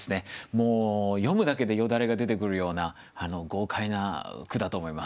もう読むだけでよだれが出てくるような豪快な句だと思います。